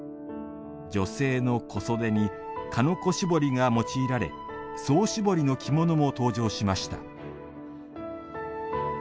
女性の小袖に鹿の子絞りが用いられ総絞りの着物も登場しました。